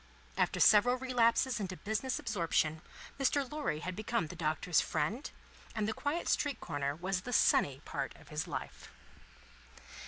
After several relapses into business absorption, Mr. Lorry had become the Doctor's friend, and the quiet street corner was the sunny part of his life.